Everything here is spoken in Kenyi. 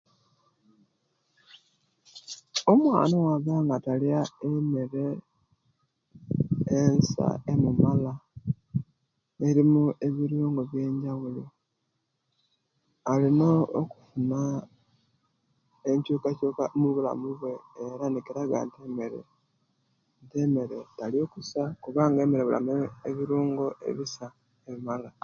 Omwana bwabanga taliya emere ensa emumala erimu ebirungo biyenjabilo alina okufuna enkyukakyuka mubulamu bwe era nikiraga nti emere taliya kusa kubanga emere ebulamu ebirungo ebisa ebimumala